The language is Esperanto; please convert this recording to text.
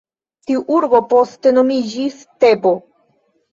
Tiu urbo poste nomiĝis Tebo.